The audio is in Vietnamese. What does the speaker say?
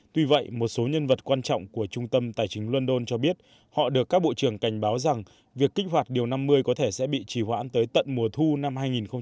tuy vậy một số nhân vật quan trọng của trung tâm tài chính london cho biết họ được các bộ trưởng cảnh báo rằng việc kích hoạt điều năm mươi có thể sẽ bị trì hoãn tới tận mùa thu năm hai nghìn một mươi tám